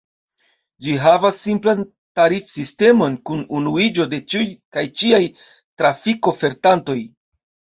Ĝi havas simplan tarifsistemon kun unuiĝo de ĉiuj kaj ĉiaj trafikofertantoj.